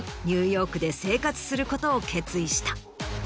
ニューヨークで生活することを決意した。